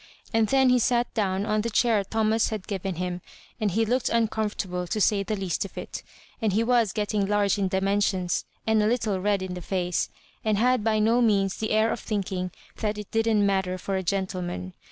And then he sat down on the chair Thomas had given liim ; and he looked uncomfortable, to say the least of it ; and he was getting large in di mensions and a little red in the face, and had by no means the air of thinking that it didn't matter for a gentleman.